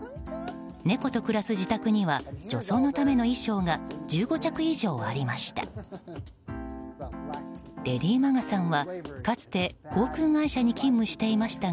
猫と暮らす自宅には女装のための衣装が１５着以上ありました。